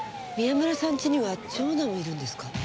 宮村さんちには長男もいるんですか？